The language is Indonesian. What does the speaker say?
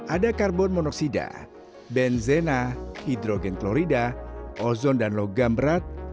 ada karbon monoksida benzena hidrogen klorida ozon dan logam berat